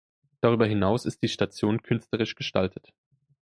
Darüber hinaus ist die Station künstlerisch gestaltet.